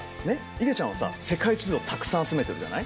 いげちゃんはさ世界地図をたくさん集めてるじゃない？